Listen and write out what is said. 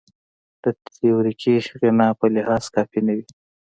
د تیوریکي غنا په لحاظ کافي نه وي.